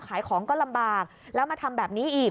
ขายของก็ลำบากแล้วมาทำแบบนี้อีก